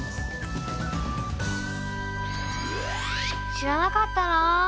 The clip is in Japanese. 知らなかったな。